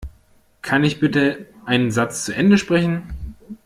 Kann ich bitte einen Satz zu Ende sprechen?